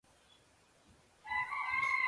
Dur ga ndo mo hay go ti se ɓo lay wegema.